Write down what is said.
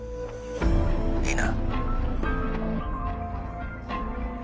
「いいな？」